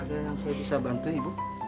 ada yang saya bisa bantu ibu